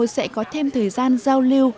sẽ có thêm thời gian giao lưu